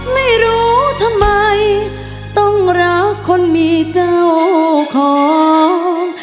ไม่รู้ทำไมต้องรักคนมีเจ้าของ